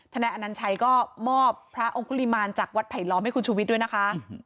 นายอนัญชัยก็มอบพระองค์คุริมาณจากวัดไผลล้อมให้คุณชุวิตด้วยนะคะ